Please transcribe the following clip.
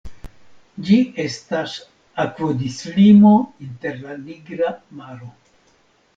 Ĝi estas akvodislimo inter la Nigra Maro.